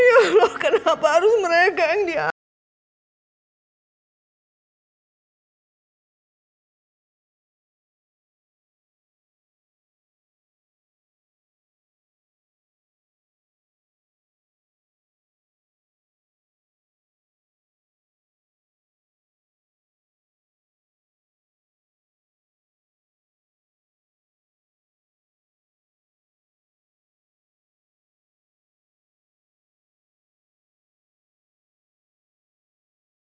ya allah kenapa harus mereka yang diambil